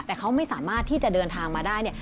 แต่เขาไม่สามารถที่จะเดินทางมาได้เนี่ย